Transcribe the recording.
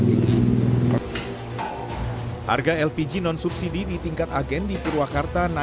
iya buat pelanggan